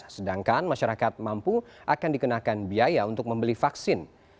sedangkan masyarakat mampu akan dikenakan biaya untuk membeli vaksin